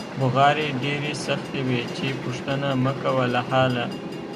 بغارې ډېرې سختې وې چې پوښتنه مکوه له حاله.